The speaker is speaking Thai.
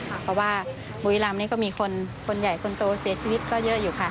เพราะว่าบุรีรำนี่ก็มีคนใหญ่คนโตเสียชีวิตก็เยอะอยู่ค่ะ